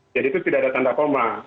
itu tidak ada tanda koma